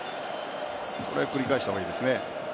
繰り返したほうがいいですね。